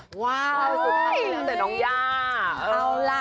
สุดท้ายนี้แล้วตั้งแต่น้องยา